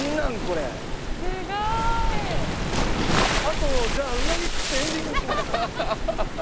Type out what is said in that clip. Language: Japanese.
あとじゃあうなぎ食ってエンディングにします。